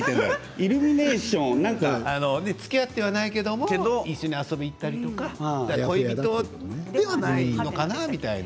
イルミネーションつきあってはいないけれども一緒に行ったりとか恋人ではないのかな